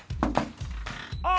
あっ！